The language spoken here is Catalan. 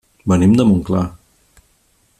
Venim de Montclar.